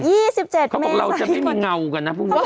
เขาบอกเราจะไม่มีเงากันนะพรุ่งนี้